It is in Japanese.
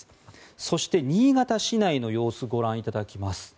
そして、新潟市内の様子ご覧いただきます。